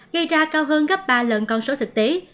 gây ra cao hơn gấp ba lần con số thực tế